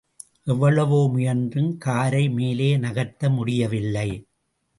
எவ்வளவு முயன்றும் காரை மேலே நகர்த்த முடியவில்லை.